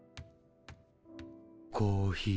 コーヒー。